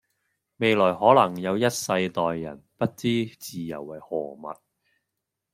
未來可能有一世代人不知自由為何物